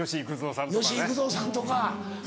吉幾三さんとかね。